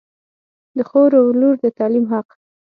د خور و لور د تعلیم حق